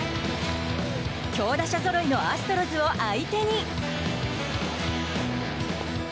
強打者ぞろいのアストロズを相手に。